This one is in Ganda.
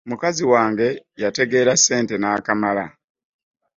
Mukazi wange yategeera ssente n'akamala!